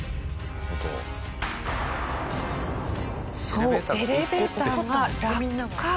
そうエレベーターが落下。